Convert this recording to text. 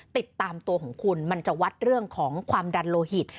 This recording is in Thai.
ติดตามตัวของคุณมันจะวัดเรื่องของความดันโลหิต